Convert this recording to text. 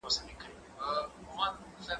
زه پرون لوښي وچولې